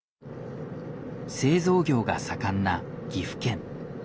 製造業が盛んな岐阜県。